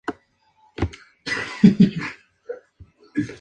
Y escribió luego "te quiero más de lo que siempre sabes.